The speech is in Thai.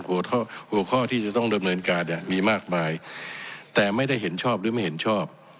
หัวข้อหัวข้อที่จะต้องดำเนินการเนี่ยมีมากมายแต่ไม่ได้เห็นชอบหรือไม่เห็นชอบ